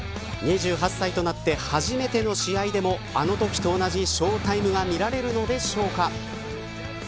２８歳となって初めての試合でもあのときと同じショウタイムが見られるのでしょうか。